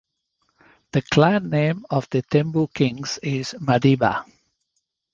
The clan name of the Thembu kings is Madiba.